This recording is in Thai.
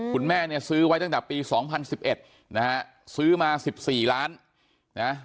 คุณแม่เนี่ยซื้อไว้ตั้งแต่ปี๒๐๑๑นะฮะซื้อมา๑๔ล้านนะ